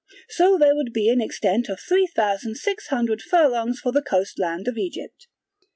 So there would be an extent of three thousand six hundred furlongs for the coast land of Egypt.